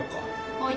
はい。